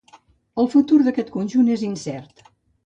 El futur d'aquest conjunt és incert.